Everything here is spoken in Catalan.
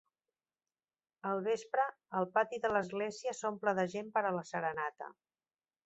Al vespre, el pati de l'església s'omple de gent per a la "serenata".